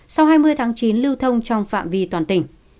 sau hai mươi tháng chín lưu thông trong phạm vi toàn tỉnh